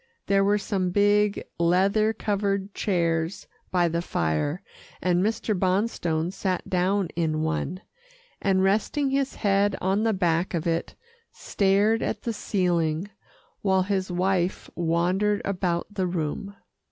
There were some big, leather covered chairs by the fire, and Mr. Bonstone sat down in one, and resting his head on the back of it, stared at the ceiling, while his wife wandered about the room.